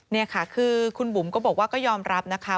นี่ค่ะคือคุณบุ๋มก็บอกว่าก็ยอมรับนะคะ